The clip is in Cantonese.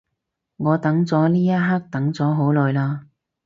我等咗呢一刻等咗好耐嘞